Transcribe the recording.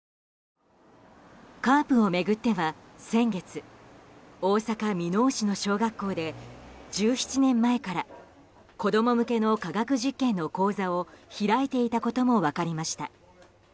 ＣＡＲＰを巡っては先月大阪・箕面市の小学校で１７年前から子供向けの科学実験の講座を開いていたことも分かりました。